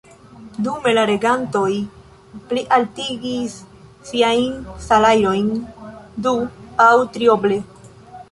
Dume la regantoj plialtigis siajn salajrojn du- aŭ trioble!